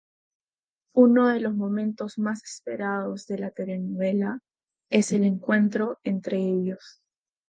Uno de los momentos más esperados de la telenovela es el encuentro entre ellos.